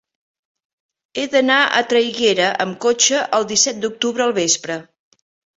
He d'anar a Traiguera amb cotxe el disset d'octubre al vespre.